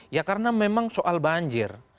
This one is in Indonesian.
ya karena memang soal banjir